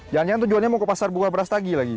jangan jangan tujuannya mau ke pasar buah brastagi lagi